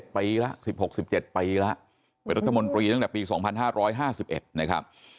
๑๗ปีแล้ว๑๖๑๗ปีแล้วรัชมนตรีตั้งแต่ปี๒๕๕๑นะครับ